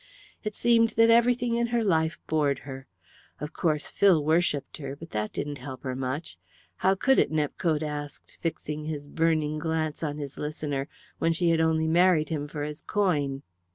It seemed that everything in her life bored her. Of course Phil worshipped her, but that didn't help her much. How could it, Nepcote asked, fixing his burning glance on his listener, when she had only married him for his coin?